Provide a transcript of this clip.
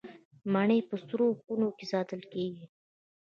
مڼې په سړو خونو کې ساتل کیږي.